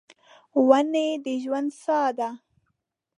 ونې د ژوند ساه ده.